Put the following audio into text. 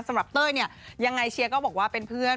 เต้ยเนี่ยยังไงเชียร์ก็บอกว่าเป็นเพื่อน